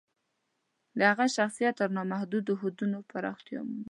د هغه شخصیت تر نامحدودو حدونو پراختیا مومي.